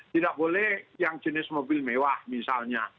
tidak boleh yang jenis mobil mewah misalnya